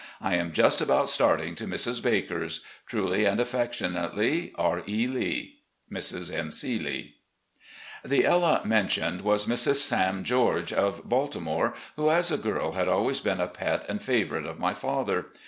I am just about starting to Mrs. Baker's. " Truly and aflEectionately, R. E. Lee. "Mrs. M. C. Lee." The "Ella" mentioned was Mrs. Sam George, of Baltimore, who as a girl had always been a pet and favotnite of my father.